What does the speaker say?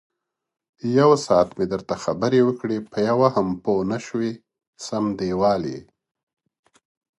یوساعت مې درته خبرې وکړې، په یوه هم پوی نشوې سم دېوال یې.